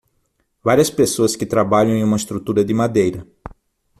Várias pessoas que trabalham em uma estrutura de madeira.